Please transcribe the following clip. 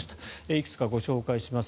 いくつかご紹介します。